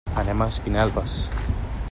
Anem a Espinelves.